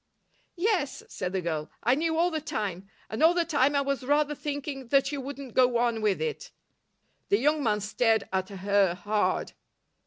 "Yes," said the girl. "I knew all the time. And all the time I was rather thinking that you wouldn't go on with it." The young man stared at her hard.